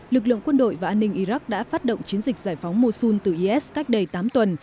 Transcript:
lực lượng quân đội và an ninh iraq đã phát động chiến dịch giải phóng mosun từ is cách đây tám tuần